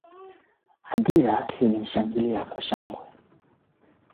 nayokutangazia moja kwa moja kutoka hapa dar es salaam tanzania